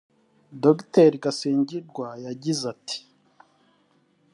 Dr Gasingirwa yagize ati